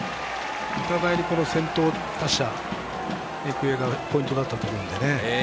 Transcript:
お互いに先頭打者ポイントだったと思うんで。